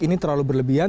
ini terlalu berlebihan